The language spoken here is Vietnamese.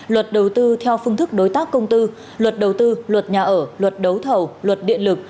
luật đầu tư theo phương thức đối tác công tư luật đầu tư luật nhà ở luật đấu thầu luật điện lực